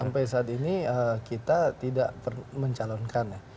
sampai saat ini kita tidak mencalonkan ya